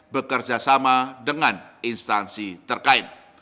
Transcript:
bekerja sama dengan instansi terkait